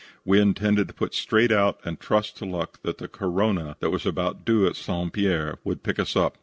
We intended to put straight out and trust to luck that the Korona, that was about due at St. Pierre, would pick us up.